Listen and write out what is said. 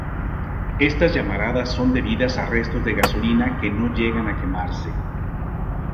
Estas llamaradas son debidas a restos de gasolina que no llegan a quemarse.